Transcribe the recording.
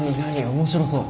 面白そう。